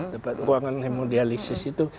tempat uang hemodialisis itu